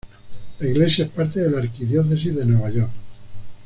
La iglesia es parte de la Arquidiócesis de Nueva York.